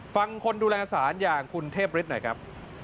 ฟังคนดูแลสารอย่างคุณเทพฤทธิหน่อยครับ